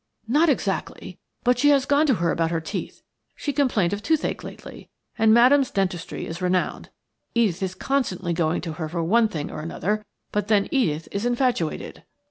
"Not exactly, but she has gone to her about her teeth. She complained of toothache lately, and Madame's dentistry is renowned. Edith is constantly going to her for one thing or another, but then Edith is infatuated."